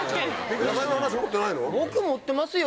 僕持ってますよ。